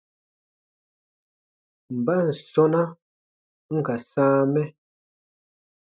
Mban sɔ̃na n ka sãa mɛ ?